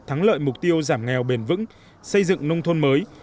thắng lợi mục tiêu giảm nghèo bền vững xây dựng nông thôn mới